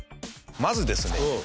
まずですね